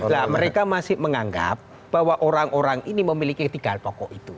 nah mereka masih menganggap bahwa orang orang ini memiliki tiga hal pokok itu